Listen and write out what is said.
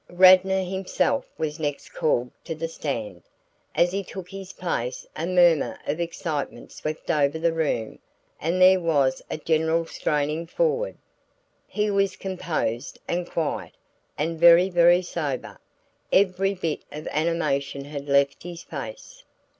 Radnor himself was next called to the stand. As he took his place a murmur of excitement swept over the room and there was a general straining forward. He was composed and quiet, and very very sober every bit of animation had left his face.